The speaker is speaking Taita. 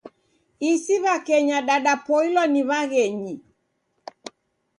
Isi w'akenya dadapoilwa ni w'aghenyi.